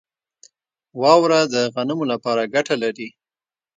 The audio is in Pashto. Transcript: واوره د غنمو لپاره ګټه لري.